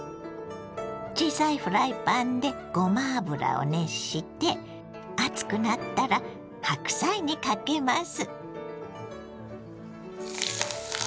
小さいフライパンでごま油を熱して熱くなったら白菜にかけます。